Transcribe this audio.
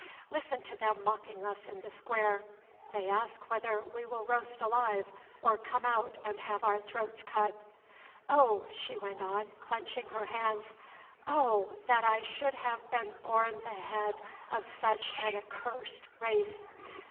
Listen to them mocking us in the square. They ask whether we will roast alive or come out and have our throats cut. Oh!" she went on, clenching her hands, "oh! that I should have been born the head of such an accursed race.